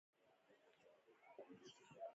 د خلکو ویښتیا تلقین مکلفیت ور په غاړه وي.